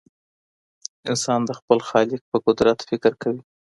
انسان د خپل خالق په قدرت فکر کوي.